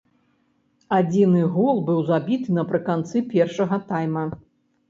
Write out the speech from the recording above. Адзіны гол быў забіты напрыканцы першага тайма.